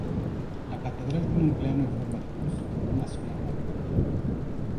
La catedral tiene un plano en forma de cruz, con una sola nave.